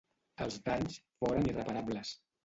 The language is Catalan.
Els danys foren irreparables.